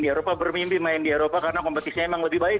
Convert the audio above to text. di eropa bermimpi main di eropa karena kompetisinya emang lebih baik